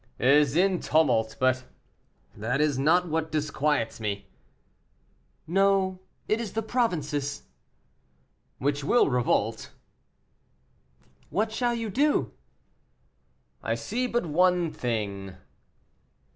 "Is in tumult; but that is not what disquiets me." "No, it is the provinces." "Which will revolt." "What shall you do?" "I see but one thing."